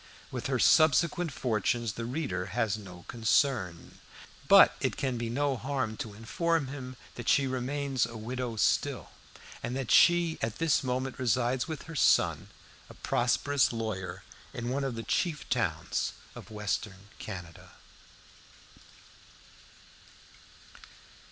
With her subsequent fortunes the reader has no concern; but it can be no harm to inform him that she remains a widow still, and that she at this moment resides with her son a prosperous lawyer in one of the chief towns of Western Canada.